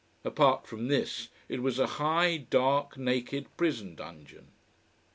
Apart from this, it was a high, dark, naked prison dungeon.